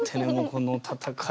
この戦いが。